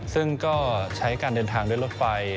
ซึ่งก็ใช้การเดินทางด้วยรถไฟ